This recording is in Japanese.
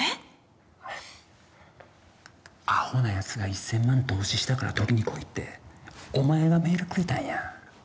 アホな奴が１千万投資したから取りに来いってお前がメールくれたんやん。